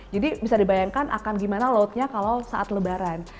jadi bisa dibayangkan akan gimana loadnya kalau saat lebaran